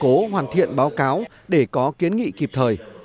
cố hoàn thiện báo cáo để có kiến nghị kịp thời